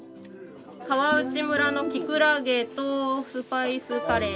川内村のきくらげとスパイスカレー。